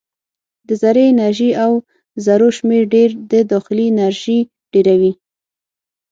د ذرې انرژي او ذرو شمیر ډېر د داخلي انرژي ډېروي.